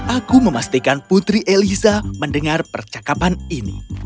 aku memastikan putri elisa mendengar percakapan ini